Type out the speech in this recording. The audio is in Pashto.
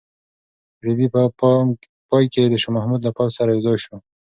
رېدی په پای کې د شاه محمود له پوځ سره یوځای شو.